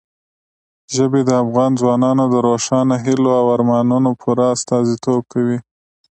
ژبې د افغان ځوانانو د روښانه هیلو او ارمانونو پوره استازیتوب کوي.